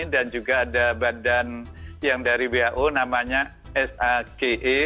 juga ada badan yang dari who namanya sake